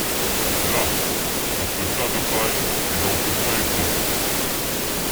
Là! sur ce tas de paille, et dans ce coin étroit !